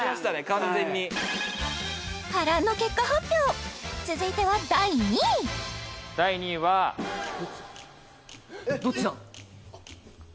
完全に波乱の結果発表続いては第２位第２位はどっちだ？